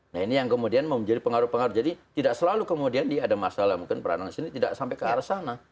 nah ini yang kemudian menjadi pengaruh pengaruh jadi tidak selalu kemudian ada masalah mungkin peranan di sini tidak sampai ke arah sana